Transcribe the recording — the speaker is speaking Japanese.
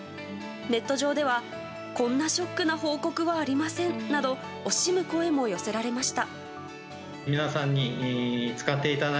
ネット上では、こんなショックな報告はありませんなど惜しむ声も寄せられました。